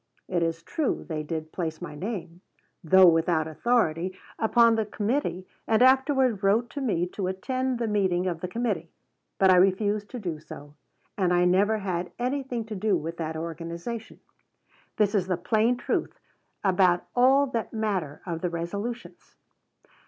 It is true they did place my name, though without authority, upon the committee, and afterward wrote me to attend the meeting of the committee; but I refused to do so, and I never had anything to do with that organization. This is the plain truth about all that matter of the resolutions.